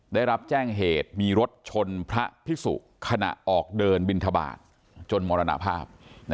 ได้รับแจ้งเหตุมีรถชนพระพิสุขณะออกเดินบินทบาทจนมรณภาพ